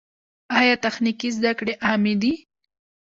آیا تخنیکي زده کړې عامې دي؟